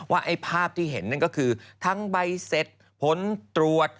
ไอ้ภาพที่เห็นนั่นก็คือทั้งใบเสร็จผลตรวจ